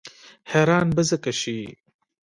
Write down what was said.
حیران به ځکه شي.